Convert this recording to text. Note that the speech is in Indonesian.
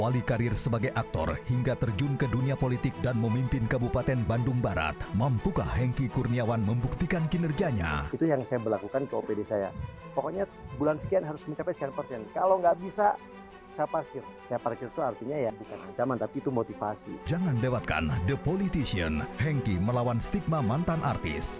jangan lewatkan the politician hengki melawan stigma mantan artis